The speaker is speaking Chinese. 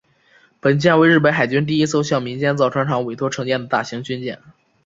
本舰为日本海军第一艘向民间造船厂委托承建的大型军舰。